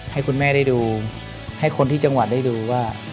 ให้คุณแม่ได้ดูให้คนที่จังหวัดได้ดูว่า